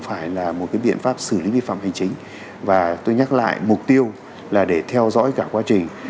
phải là một cái biện pháp xử lý vi phạm hành chính và tôi nhắc lại mục tiêu là để theo dõi cả quá trình